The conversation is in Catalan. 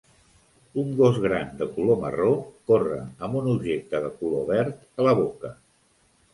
Un gos gran de color marró corre amb un objecte de color verd a la boca.